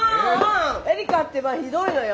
えりかってばひどいのよ。